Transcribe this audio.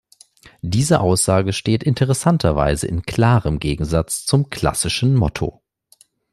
Diese Aussage steht interessanterweise in klarem Gegensatz zum klassischen Motto.